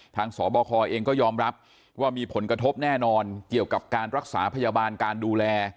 สบคเองก็ยอมรับว่ามีผลกระทบแน่นอนเกี่ยวกับการรักษาพยาบาลการดูแล